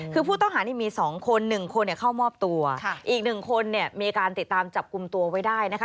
คือผู้ต้องหานี่มี๒คน๑คนเข้ามอบตัวอีกหนึ่งคนเนี่ยมีการติดตามจับกลุ่มตัวไว้ได้นะคะ